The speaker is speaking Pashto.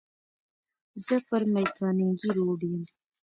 زه پر مېکانګي روډ یم.